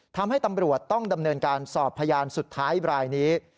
ทำให้ตำรวจต้องดำเนินการสอบพยานสุดท้ายรายนี้